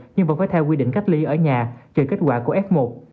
nhưng vẫn phải theo quy định cách ly ở nhà chờ kết quả của f một